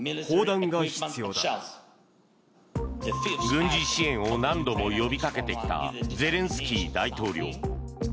軍事支援を何度も呼びかけてきたゼレンスキー大統領。